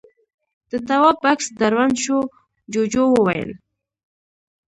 د تواب بکس دروند شو، جُوجُو وويل: